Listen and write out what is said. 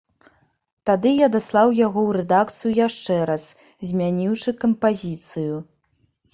Тады я даслаў яго ў рэдакцыю яшчэ раз, змяніўшы кампазіцыю.